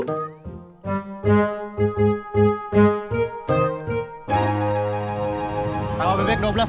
kalau bebek dua belas bang